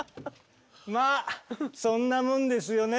まあそんなもんですよね